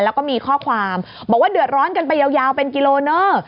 แล้วก็มีข้อความบอกว่าเดือดร้อนกันไปยาวเป็นกิโลเนอร์